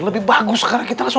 lebih bagus sekarang kita